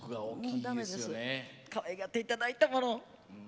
かわいがっていただいたもの。